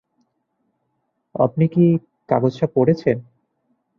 আপনি কি কাগজটা পড়েছেন?